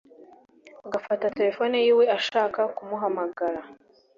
agafata telefoni yiwe agashaka kumuhamagara